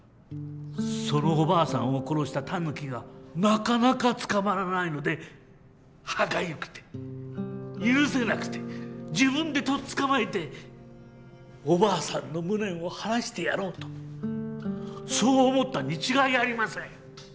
そのおばあさんを殺したタヌキがなかなか捕まらないので歯がゆくて許せなくて自分でとっつかまえておばあさんの無念を晴らしてやろうとそう思ったに違いありません。